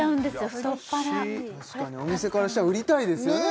太っ腹優しい確かにお店からしたら売りたいですよね